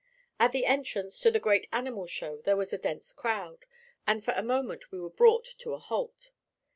At the entrance to the great animal show there was a dense crowd, and for a moment we were brought to a halt.